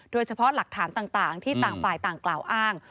โดยเฉพาะหลักฐานต่างที่ต่างฝ่ายต่างกล่าวอ้าง